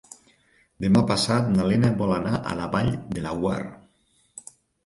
Demà passat na Lena vol anar a la Vall de Laguar.